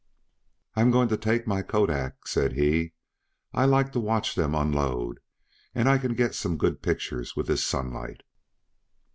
"I'm going to take my Kodak," said he. "I like to watch them unload, and I can get some good pictures, with this sunlight."